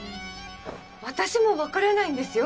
私も分からないんですよ